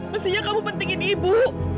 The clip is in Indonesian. mestinya kamu pentingin ibu